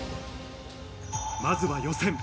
まずは予選。